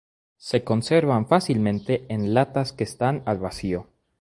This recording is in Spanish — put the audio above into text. Se conservan fácilmente en latas que están al vacío.